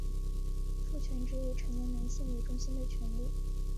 父权指以成年男性为中心的权力。